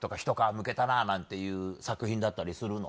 むけたななんていう作品だったりするの？